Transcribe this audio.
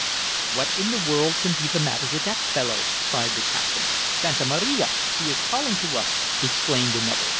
"What in the world can be the matter with that fellow?" cried the captain. "Santa Maria! he is calling to us!" exclaimed another.